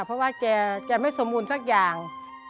เพราะว่าแกไม่สมบูรณ์สักอย่าง